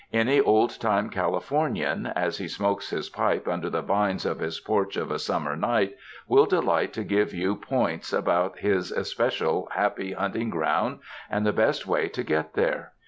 Any old time Californian, as he smokes his pipe under the vines of his porch of a summer night, will delight to give you iioints about his especial happy hunting grounds, and the best way to get there.